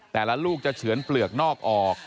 ลูกจะเฉือนเปลือกนอกออก